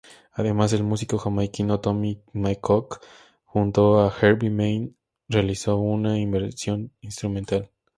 Además, el músico jamaicano Tommy McCook, junto a Herbie Man, realizó una versión instrumental.